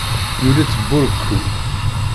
Yuli-tt burekku.